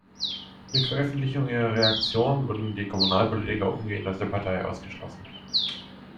Mit Veröffentlichung ihrer Reaktion wurden die Kommunalpolitiker umgehend aus der Partei ausgeschlossen.